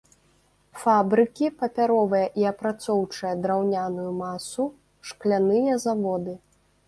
Фабрыкі, папяровая і апрацоўчая драўняную масу, шкляныя заводы.